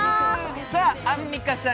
さあ、アンミカさん